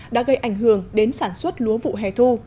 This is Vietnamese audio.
đã gây ảnh hưởng đến sản xuất lúa vụ hè thu